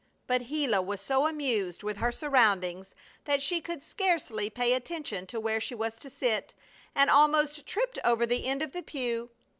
But Gila was so amused with her surroundings that she could scarcely pay attention to where she was to sit, and almost tripped over the end of the pew.